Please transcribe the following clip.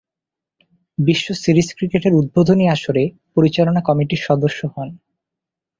বিশ্ব সিরিজ ক্রিকেটের উদ্বোধনী আসরে পরিচালনা কমিটির সদস্য হন।